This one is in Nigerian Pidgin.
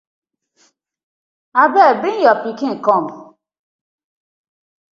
I beg bring yo pikin kom.